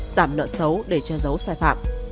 giảm nợ xấu để cho dấu sai phạm